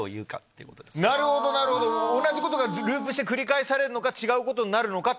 なるほどなるほど同じことがループして繰り返されるのか違うことになるのかってことですね